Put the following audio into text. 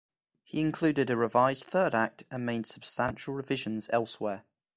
He included a revised third act and made substantial revisions elsewhere.